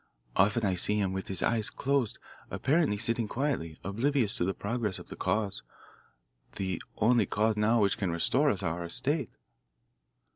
Often I see him with his eyes closed, apparently sitting quietly, oblivious to the progress of the cause the only cause now which can restore us our estate.